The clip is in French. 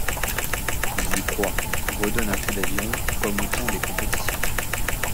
Ils y croient, redonnent un coup d’aviron comme au temps des compétitions.